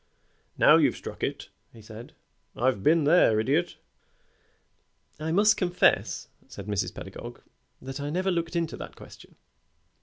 "Now you've struck it," he said. "I've been there, Idiot." "I must confess," said Mrs. Pedagog, "that I never looked into that question."